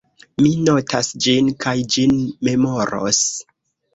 Mi notas ĝin, kaj ĝin memoros.